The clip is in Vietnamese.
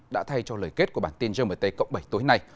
đã thay cho lời kết của bản tin gmt cộng bảy tối nay